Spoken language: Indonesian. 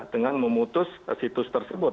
dengan memutus situs tersebut